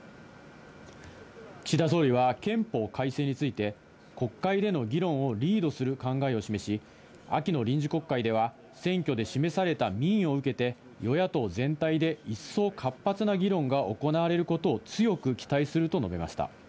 岸田総理は憲法改正について、国会での議論をリードする考えを示し、秋の臨時国会では、選挙で示された民意を受けて、与野党全体で一層活発な議論が行われることを強く期待すると述べました。